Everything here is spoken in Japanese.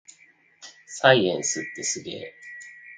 サイエンスってすげぇ